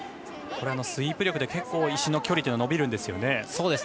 スイープ力で結構石の距離は伸びるんですよね。